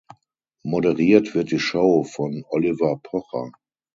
Moderiert wird die Show von Oliver Pocher.